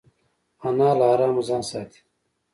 انا له حرامو ځان ساتي